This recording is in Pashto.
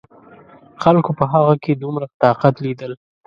خلکو په هغه کې دومره طاقت لیدل.